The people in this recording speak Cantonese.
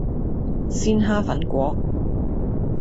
鮮蝦粉果